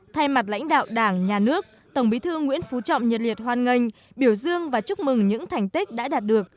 thay mặt lãnh đạo đảng nhà nước tổng bí thư nguyễn phú trọng nhiệt liệt hoan nghênh biểu dương và chúc mừng những thành tích đã đạt được